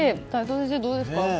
先生、どうですか？